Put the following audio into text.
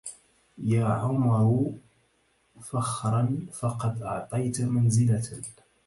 يا عمرو فخرا فقد أعطيت منزلة